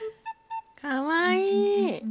かわいい。